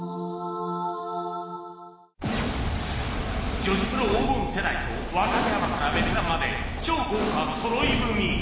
女子プロ黄金世代と若手アマからベテランまで超豪華そろい踏み